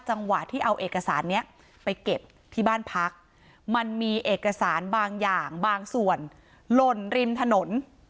จังหวะที่เอาเอกสารนี้ไปเก็บที่บ้านพักมันมีเอกสารบางอย่างบางส่วนหล่นริมถนน